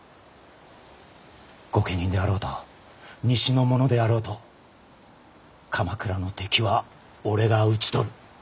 御家人であろうと西の者であろうと鎌倉の敵は俺が討ち取る。